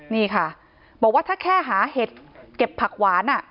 นี่ค่ะบอกว่าถ้าแค่หาเห็ดเก็บผักหวาน